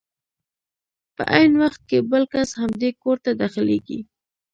په عین وخت کې بل کس همدې کور ته داخلېږي.